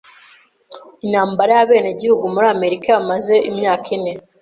Intambara y'abenegihugu muri Amerika yamaze imyaka ine.